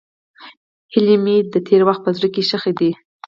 هیلې مې د تېر وخت په زړه کې ښخې دي.